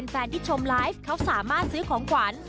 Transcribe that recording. แฟนที่ชมไลฟ์เขาสามารถซื้อของขวัญ